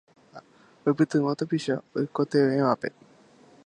oipytyvõ tapicha oikotevẽvape